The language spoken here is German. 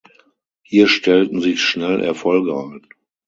Hier stellten sich schnell Erfolge ein.